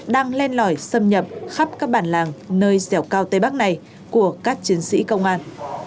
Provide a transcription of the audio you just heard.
đang len lỏi xâm nhập khắp các bản làng nơi dẻo cao tây bắc này của các chiến sĩ công an